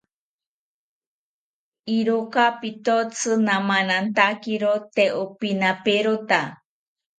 Iroka pitotzi namanantakiro tee opinaperota